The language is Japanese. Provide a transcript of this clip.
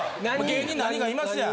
芸人何人かいますやん。